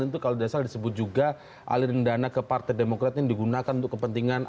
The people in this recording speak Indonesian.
itu kalau tidak salah disebut juga aliran dana ke partai demokrat yang digunakan untuk kepentingan